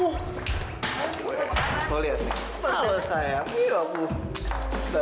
hanya se bitch lagi dongo